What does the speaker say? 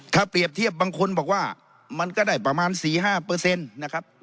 ถ้าเปรียบเทียบบางคนบอกว่ามันก็ได้ประมาณสี่ห้าเปอร์เซ็นต์นะครับ